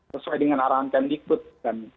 sesuai dengan arahan kandikbud